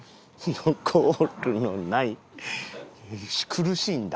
苦しいんだ。